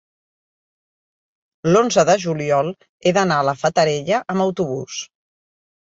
l'onze de juliol he d'anar a la Fatarella amb autobús.